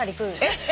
えっ！？